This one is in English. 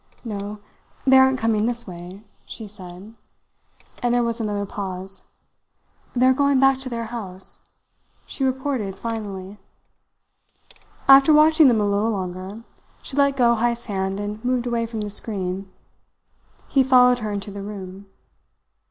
"No, they aren't coming this way," she said; and there was another pause. "They are going back to their house," she reported finally. After watching them a little longer, she let go Heyst's hand and moved away from the screen. He followed her into the room.